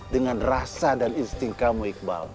dengan rasa dan insting kamu iqbal